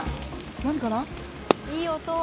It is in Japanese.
何かな。